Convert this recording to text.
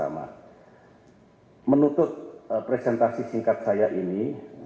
menuntut presentasi singkat saya ini